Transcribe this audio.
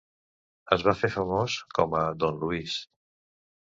Es va fer famós com a Don Luís.